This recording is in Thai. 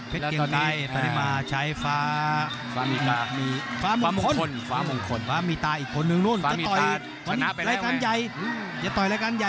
เพชรเกียงไกรตัดมาใช้ฟ้า